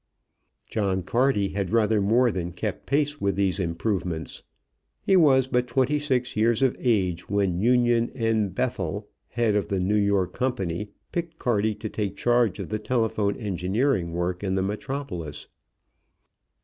John Carty had rather more than kept pace with these improvements. He was but twenty six years of age when Union N. Bethell, head of the New York company, picked Carty to take charge of the telephone engineering work in the metropolis.